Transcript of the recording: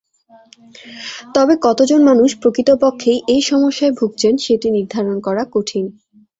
তবে কতজন মানুষ প্রকৃতপক্ষেই এই সমস্যায় ভুগছেন সেটি নির্ধারণ করা কঠিন।